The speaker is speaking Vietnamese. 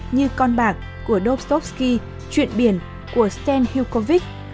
như con bạc của dobstovsky chuyện biển của stan hukovic